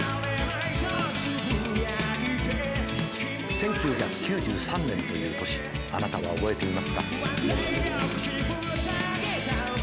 １９９３年という年あなたは覚えていますか？